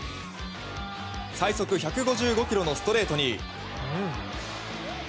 最速１５５キロのストレートに。